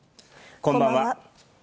こんばんは。